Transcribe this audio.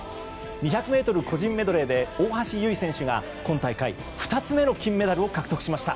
２００ｍ個人メドレーで大橋悠依選手が今大会２つ目の金メダルを獲得しました。